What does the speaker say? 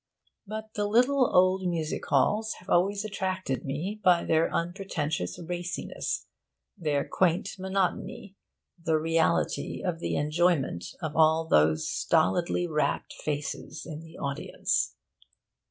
But the little old music halls have always attracted me by their unpretentious raciness, their quaint monotony, the reality of the enjoyment on all those stolidly rapt faces in the audience.